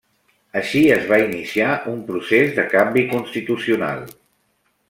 Així es va iniciar un procés de canvi constitucional.